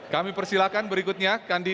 kami persilakan berikutnya